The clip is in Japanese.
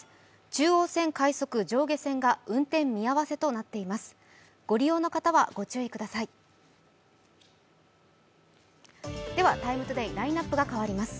中央線快速上下線が運転見合せとなっています。